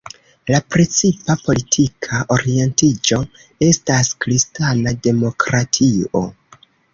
La precipa politika orientiĝo estas kristana demokratio.